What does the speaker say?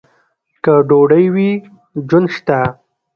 که ډوډۍ وي، ژوند شته.